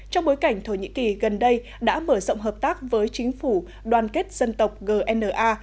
trong bối cảnh thổ nhĩ kỳ gần đây đã mở rộng hợp tác với chính phủ đoàn kết dân tộc gna